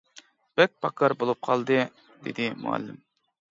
-بەك پاكار بولۇپ قالدى، -دېدى مۇئەللىم.